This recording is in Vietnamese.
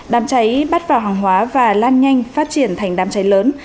đám cháy bắt vào hàng hóa và lan nhanh phát triển thành đám cháy lớn